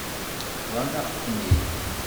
Bḍan-aɣ-ten-id.